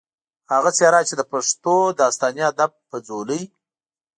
هغه څېره چې د پښتو داستاني ادب پۀ ځولۍ